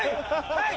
はい！